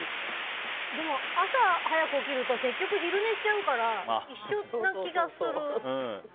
朝早く起きると結局、昼寝しちゃうから一緒な気がする。